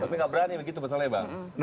tapi gak berani begitu pesan saya bang